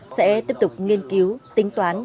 sẽ tiếp tục nghiên cứu tính toán